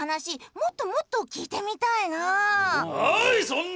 もっともっと聞いてみたいなあ！